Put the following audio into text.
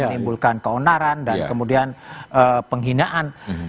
menimbulkan keonaran dan kemudian penghinaan